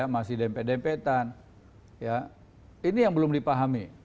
masih dempet dempetan ini yang belum dipahami